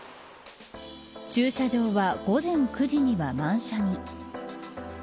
駐車場は午前９時には満車に。